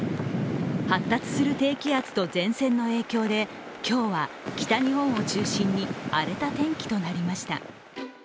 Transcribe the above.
発達する低気圧と前線の影響で今日は北日本を中心に荒れた天気となりました。